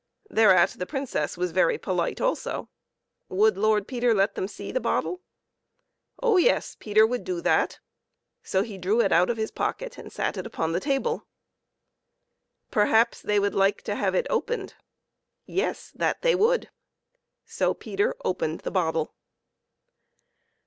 Thereat the Princess was very polite also. Would Lord Peter let them see the bottle? Oh yes! Peter would do that; so he drew it out of his pocket and sat it upon the table. Perhaps they would like to have it opened. Yes, that they would. So Peter opened the bottle.